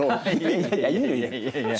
いやいやいやいや。